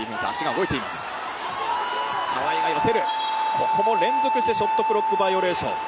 ここも連続してショットクロックバイオレーション。